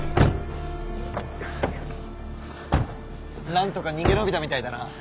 なんとか逃げ延びたみたいだな。